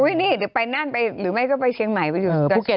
อุ้ยนี่ไปนั่นไปหรือไม่ก็ไปเชียงใหม่ไปอยู่